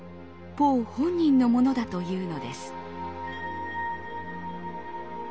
ポー本人のものだというのです。